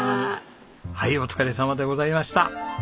はいお疲れさまでございました。